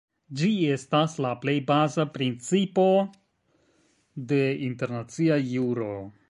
Ĝi estas la plej baza principo de internacia juro.